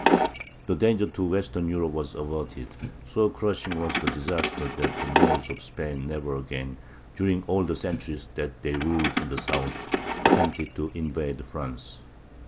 The danger to Western Europe was averted. So crushing was the disaster that the Moors of Spain never again, during all the centuries that they ruled in the south, attempted to invade France.